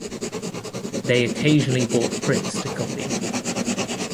They occasionally bought prints to copy.